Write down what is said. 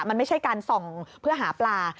มันไม่ใช่การส่องเพื่อหาปลา